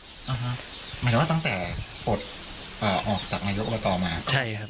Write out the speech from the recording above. หมายถึงว่าตั้งแต่อดออกจากนายโยคต่อมา